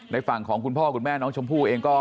ฝั่งของคุณพ่อคุณแม่น้องชมพู่เองก็